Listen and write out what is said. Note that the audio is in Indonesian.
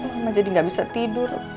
sama jadi gak bisa tidur